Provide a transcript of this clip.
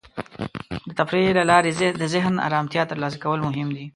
د تفریح له لارې د ذهن ارامتیا ترلاسه کول مهم دی.